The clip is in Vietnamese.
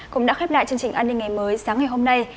cũng đã khép lại chương trình an ninh ngày mới sáng ngày hôm nay